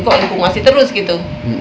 kok aku ngasih terus gitu